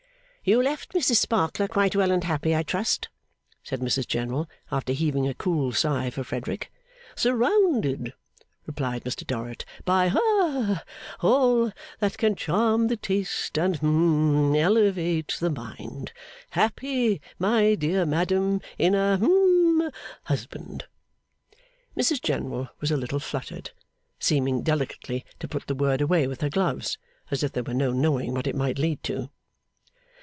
'You left Mrs Sparkler quite well and happy, I trust?' said Mrs General, after heaving a cool sigh for Frederick. 'Surrounded,' replied Mr Dorrit, 'by ha all that can charm the taste, and hum elevate the mind. Happy, my dear madam, in a hum husband.' Mrs General was a little fluttered; seeming delicately to put the word away with her gloves, as if there were no knowing what it might lead to.